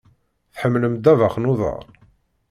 Tḥemmlem ddabex n uḍaṛ?